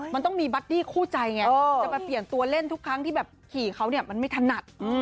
มันต้องมีบัดดี้คู่ใจไงจะมาเปลี่ยนตัวเล่นทุกครั้งที่แบบขี่เขาเนี่ยมันไม่ถนัด